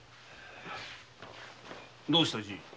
どうしたじい？